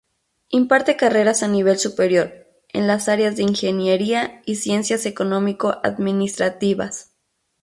Imparte carreras a nivel superior, en las áreas de Ingeniería y Ciencias Económico Administrativas.